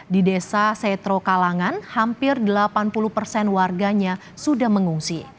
di desa setro kalangan hampir delapan puluh persen warganya sudah mengungsi